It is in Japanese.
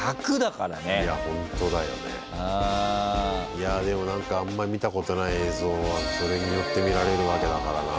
いやでも何かあんまり見たことない映像がそれによって見られるわけだからな。